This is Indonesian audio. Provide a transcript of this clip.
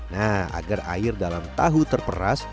nah agar air dalam tahu terperas